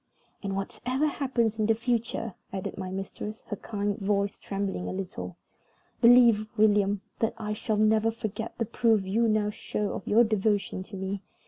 "And, whatever happens in the future," added my mistress, her kind voice trembling a little, "believe, William, that I shall never forget the proof you now show of your devotion to me.